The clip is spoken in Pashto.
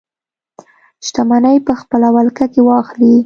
شتمنۍ په خپله ولکه کې واخلي.